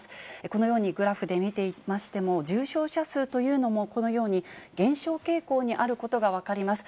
このようにグラフで見てましても、重症者数というのも、このように減少傾向にあることが分かります。